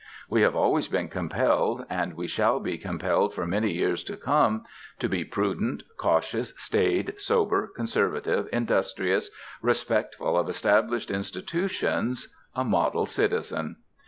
We have always been compelled, and we shall be compelled for many years to come, to be prudent, cautious, staid, sober, conservative, industrious, respectful of established institutions, a model citizen.